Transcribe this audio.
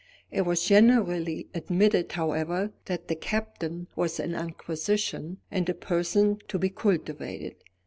It was generally admitted, however, that the Captain was an acquisition, and a person to be cultivated.